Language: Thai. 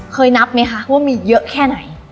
นับไหมคะว่ามีเยอะแค่ไหน